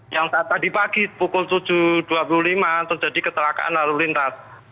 yang saat tadi pagi pukul tujuh dua puluh lima terjadi kecelakaan lalu lintas